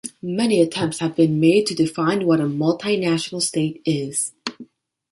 Many attempts have been made to define what a multinational state is.